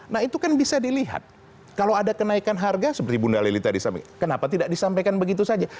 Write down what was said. nah itu kan bisa dilihat kalau ada kenaikan harga seperti bunda leli tadi sampaikan kenapa tidak disampaikan begitu saja